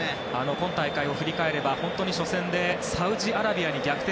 今大会を振り返れば本当に、初戦でサウジアラビアに逆転